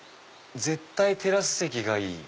絶対テラス席がいい。